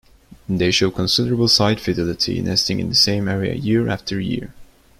They show considerable site fidelity nesting in the same area year after year.